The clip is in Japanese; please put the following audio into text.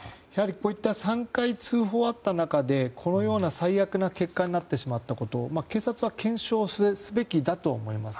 こういった３回通報があった中でこのような最悪な結果になってしまったこと警察は検証をすべきだと思います。